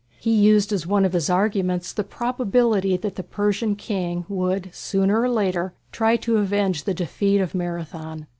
He used as one of his arguments the probability that the Persian King would, sooner or later, try to avenge the defeat of Marathon.